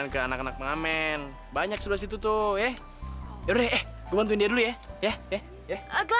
kelen aku bantu ya